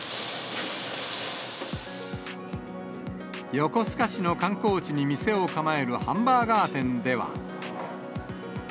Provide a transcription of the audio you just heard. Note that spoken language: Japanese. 横須賀市の観光地に店を構えるハンバーガー店では。